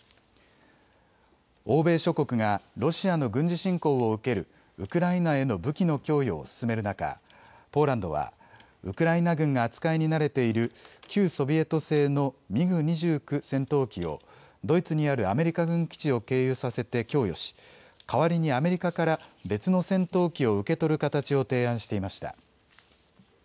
欧米諸国がロシアの軍事侵攻を受けるウクライナへの武器の供与を進める中、ポーランドはウクライナ軍が扱いに慣れている旧ソビエト製のミグ２９戦闘機をドイツにあるアメリカ軍基地を経由させて供与し代わりにアメリカから別の戦闘機を受け取る形を提案していました。